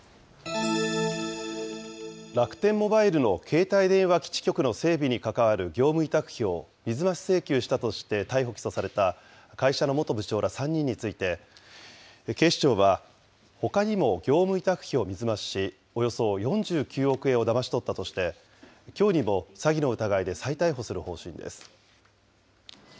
楽天モバイルの携帯電話基地局の整備に関わる業務委託費を水増し請求したとして逮捕・起訴された会社の元部長ら３人について、警視庁は、ほかにも業務委託費を水増しし、およそ４９億円をだまし取ったとして、きょうにも詐欺の疑いで再逮捕する方針です。